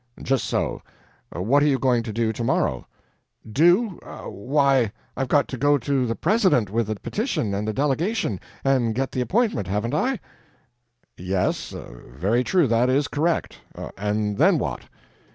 "Just so.... What are you going to do tomorrow?" "DO! Why, I've got to go to the President with the petition and the delegation, and get the appointment, haven't I?" "Yes ... very true ... that is correct. And then what?"